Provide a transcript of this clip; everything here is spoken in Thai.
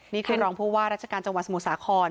นี่คือรองผู้ว่าราชการจังหวัดสมุทรสาคร